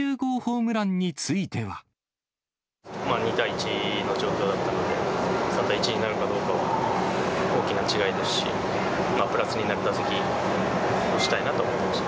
２対１の状況だったので、３対１になるかどうかは大きな違いですし、プラスになる打席にしたいなと思ってました。